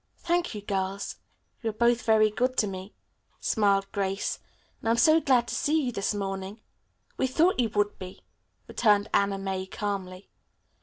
"Thank you, girls. You are both very good to me," smiled Grace, "and I'm so glad to see you this morning." "We thought you would be," returned Anna May calmly.